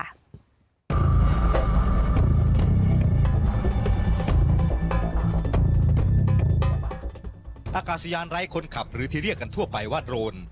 อากาศยานไร้คนขับหรือที่เรียกกันทั่วไปว่าโรน